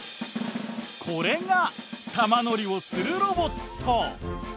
これが玉乗りをするロボット。